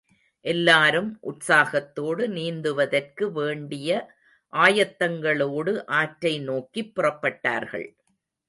எல்லாரும் உற்சாகத்தோடு நீந்துவதற்கு வேண்டிய ஆயத்தங்களோடு ஆற்றை நோக்கிப் புறப்பட்டார்கள்.